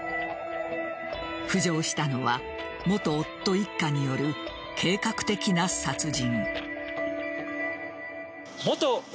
浮上したのは元夫一家による計画的な殺人。